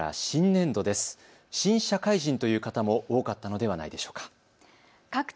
新社会人という方も多かったのではないでしょうか。